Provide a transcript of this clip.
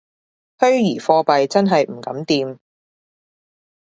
虛擬貨幣真係唔敢掂